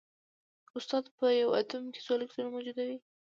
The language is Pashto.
استاده په یو اتوم کې څو الکترونونه موجود وي